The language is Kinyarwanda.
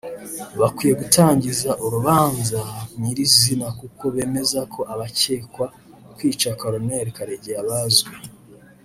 bakwiye gutangiza urubanza nyirizina kuko bemeza ko abakekwa kwica Colonel Karegeya bazwi